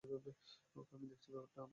ওকে, আমি দেখছি ব্যাপারটা।